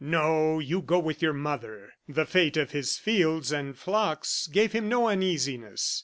"No; you go with your mother." The fate of his fields and flocks gave him no uneasiness.